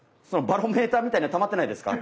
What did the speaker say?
バロメーターみたいなのたまってないですか？